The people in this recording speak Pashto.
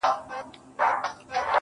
• زموږه دوو زړونه دي تل په خندا ونڅيږي.